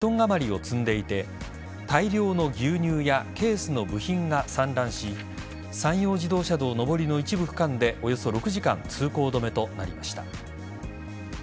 西日本によりますとトラックは牛乳パック１０ｔあまりを積んでいて大量の牛乳やケースの部品が散乱し山陽自動車道上りの一部区間でおよそ６時間通行止めとなりました。